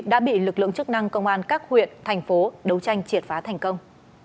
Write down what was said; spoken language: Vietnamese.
đã bị lực lượng chức năng công an các huyện thành phố đấu tranh triệt phá thành công